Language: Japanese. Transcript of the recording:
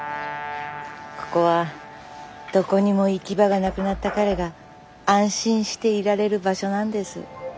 ここはどこにも行き場がなくなった彼が安心していられる場所なんです。